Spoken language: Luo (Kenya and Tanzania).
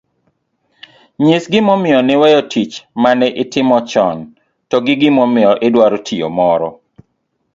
Nyis gimomiyo niweyo tich ma ne itimo chon to gi gimomiyo idwaro tiyo moro